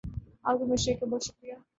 آپ کے مشورے کا بہت شکر یہ